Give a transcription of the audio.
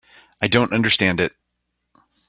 I don't understand it.